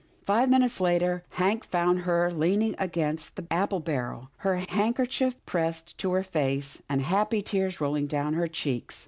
Five minutes later Hank found her leaning against the apple barrel, her handkerchief pressed to her face, and happy tears rolling down her cheeks.